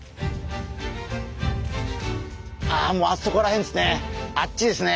もうあそこら辺ですね。